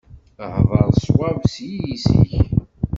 Hder ṣṣwab s yiles-ik.